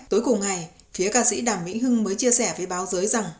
tối cùng ngày phía ca sĩ đàm mỹ hưng mới chia sẻ với báo giới rằng